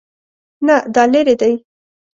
نه، دا لیرې دی